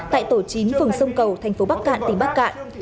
tại tổ chín phường sông cầu thành phố bắc cạn tỉnh bắc cạn